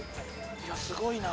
いやすごいな。